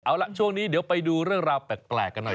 เอาล่ะช่วงนี้เดี๋ยวไปดูเรื่องราวแปลกกันหน่อย